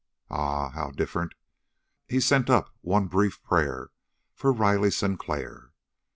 Ah, how different! He sent up one brief prayer for Riley Sinclair.